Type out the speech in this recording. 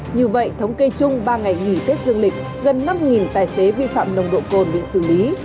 như vậy thống kê chung ba ngày nghỉ tết dương lịch gần năm tài xế vi phạm nồng độ cồn bị xử lý